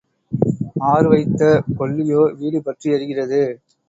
R வைத்த கொள்ளியோ வீடு பற்றி எரிகிறது.